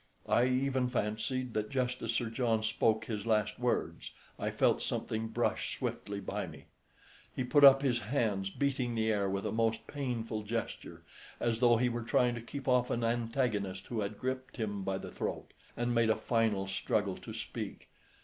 I even fancied that just as Sir John spoke his last words I felt something brush swiftly by me. He put up his hands, beating the air with a most painful gesture, as though he were trying to keep off an antagonist who had gripped him by the throat, and made a final struggle to speak.